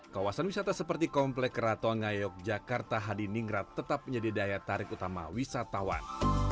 kawasan wisata seperti komplek keraton ngayok jakarta hadi ningrat tetap menjadi daya tarik utama wisatawan